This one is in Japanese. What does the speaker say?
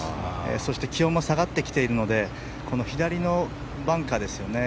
そして気温も下がってきているのでこの左のバンカーですよね。